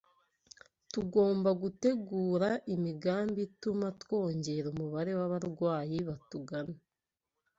Tugomba gutegura imigambi ituma twongera umubare w’abarwayi batugana